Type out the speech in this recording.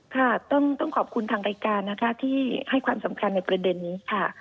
ค่ะต้องขอบคุณทางรายการนะคะที่ให้ความสำคัญในประเด็นนี้ค่ะ